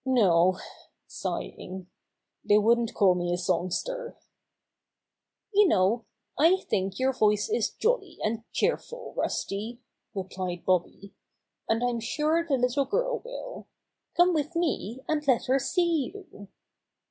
No," sighing, "they wouldn't call me a songster." "You know I think your voice is jolly and cheerful, Rusty," replied Bobby, "and I'm Rusty Joins in the Feast 43 sure the little girl will. Come with me, and let her see you."